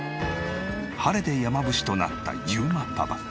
晴れて山伏となった裕磨パパ。